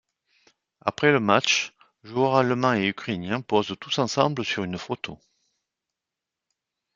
Après le match joueurs allemands et ukrainiens posent tous ensemble sur une photo.